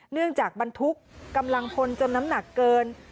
จากบรรทุกกำลังพลจนน้ำหนักเกิน